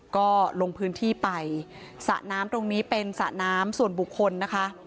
ก็ลงพื้นที่ไปสระน้ำตรงนี้เป็นสระน้ำส่วนบุคคลนะคะ